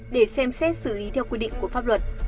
để xem xét xử lý theo quy định của pháp luật